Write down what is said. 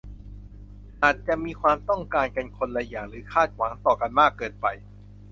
อาจจะมีความต้องการกันคนละอย่างหรือคาดหวังต่อกันมากเกินไป